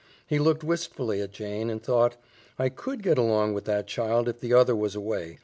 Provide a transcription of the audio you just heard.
He looked wistfully at Jane, and thought, "I COULD get along with that child if the other was away.